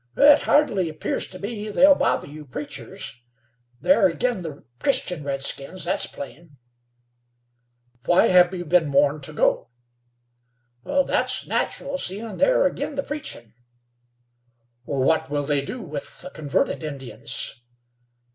"It hardly 'pears to me they'll bother you preachers. They're agin the Christian redskins, that's plain." "Why have we been warned to go?" "That's natural, seein' they're agin the preachin'." "What will they do with the converted Indians?"